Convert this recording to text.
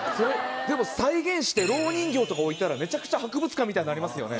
でも再現してろう人形とか置いたらめちゃくちゃ博物館みたいになりますよね。